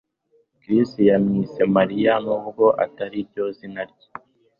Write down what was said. Chris yamwise Mariya nubwo atariryo zina rye